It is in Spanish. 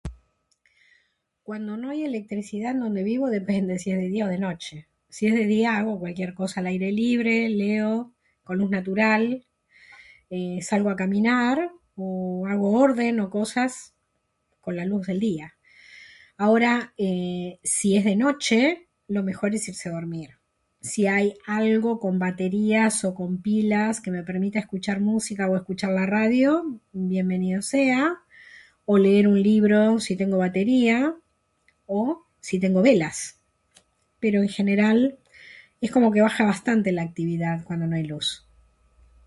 Cuando no hay electricidad donde vivo, depende, si es de día o de noche. si es de día hago cualquier cosa al aire libre, leo, con luz natural, eh... salgo a caminar o... hago orden o cosas con la luz del día. Ahora... eh... si es de noche lo mejor es irse a dormir. Si hay algo con baterías o con pilas que me permita escuchar música o escuchar la radio, bienvenido sea; o leer un libro si tengo baterías o si tengo velas. Pero en general, es como que baja bastante la actividad cuando no hay luz.